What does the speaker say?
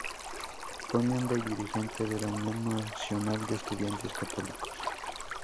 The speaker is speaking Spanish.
Fue miembro y dirigente de la Unión Nacional de Estudiantes Católicos.